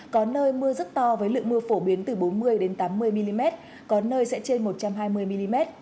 có nơi mưa rất to với lượng mưa phổ biến từ bốn mươi tám mươi mm có nơi sẽ trên một trăm hai mươi mm